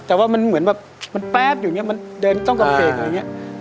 แต่ว่ามันเหมือนแบบมันแป๊บอยู่อย่างนี้มันเดินต้องกลางเบรกอย่างนี้